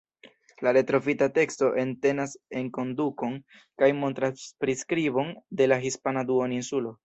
La retrovita teksto entenas enkondukon kaj montras priskribon de la hispana duoninsulo.